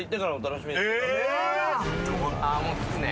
・もう着くね。